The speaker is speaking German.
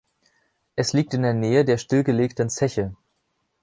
Es liegt in der Nähe der stillgelegten Zeche.